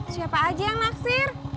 siapa aja yang ngeboncengin